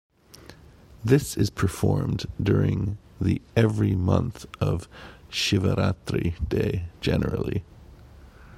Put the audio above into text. This is performed during the every month of Shivarathri day generally.